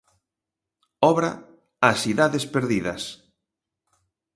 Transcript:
Obra: "As idades perdidas".